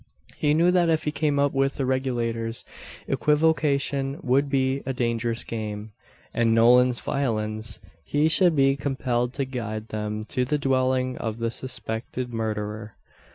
He knew that if he came up with the Regulators, equivocation would be a dangerous game; and, nolens volens, he should be compelled to guide them to the dwelling of the suspected murderer.